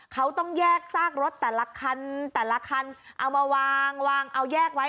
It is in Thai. เขาต้องแยกซากรถแต่ละคันแต่ละคันเอามาวางวางเอาแยกไว้